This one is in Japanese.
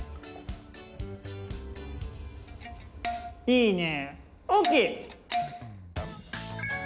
いいね。